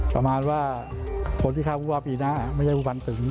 ประมาณว่าคนที่ฆ่าผู้ว่าปีหน้าไม่ใช่ผู้พันตึง